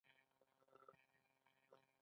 حاجي ګک د اسیا د وسپنې لوی کان دی